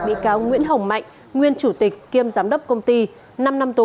bị cáo nguyễn hồng mạnh nguyên chủ tịch kiêm giám đốc công ty năm năm tù